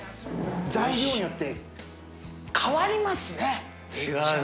材料によって変わりますね。